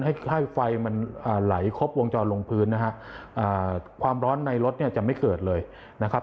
ให้ไฟมันไหลครบวงจรลงพื้นนะฮะความร้อนในรถเนี่ยจะไม่เกิดเลยนะครับ